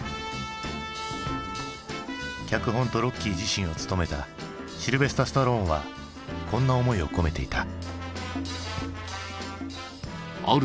脚本とロッキー自身を務めたシルヴェスター・スタローンはこんな思いを込めていた。